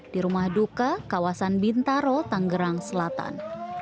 di rumah duka kawasan bintaro tanggerang selatan